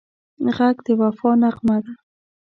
غږ د وفا نغمه ده